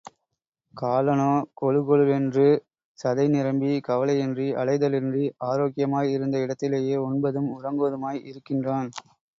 காலனோ கொழு கொழென்று சதை நிரம்பி, கவலையின்றி அலைதலின்றி, ஆரோக்கியமாய் இருந்த இடத்திலேயே உண்பதும், உறங்குவதுமாய் இருக்கின்றான்.